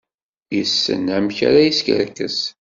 Yessen amek ara yeskerkes.